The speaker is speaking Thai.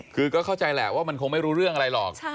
คือก็เข้าใจแหละว่ามันคงไม่รู้เรื่องอะไรหรอก